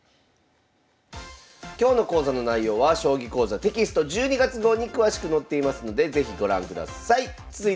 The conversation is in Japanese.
今日の講座の内容は「将棋講座」テキスト１２月号に詳しく載っていますので是非ご覧ください。